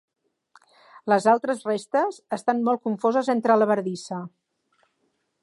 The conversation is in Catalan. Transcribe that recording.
Les altres restes estan molt confoses entre la bardissa.